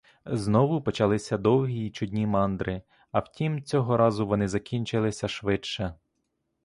Знову почалися довгі й чудні мандри; а втім, цього разу вони закінчилися швидше.